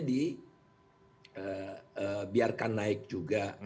dibiarkan naik juga